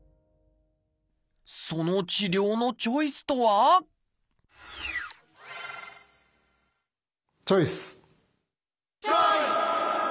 その治療のチョイスとはチョイス！